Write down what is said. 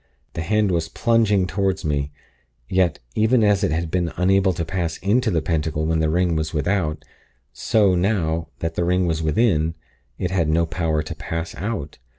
The hand was plunging toward me; yet, even as it had been unable to pass into the Pentacle when the ring was without, so, now that the ring was within, it had no power to pass out.